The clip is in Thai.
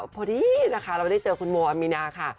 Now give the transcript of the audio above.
พอดีนะคะเราได้เจอคุณโมอามีนาค่ะ